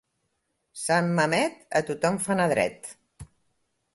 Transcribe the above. Sant Mamet a tothom fa anar dret.